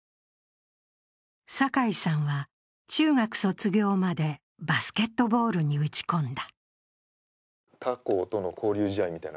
酒井さんは中学卒業までバスケットボールに打ち込んだ。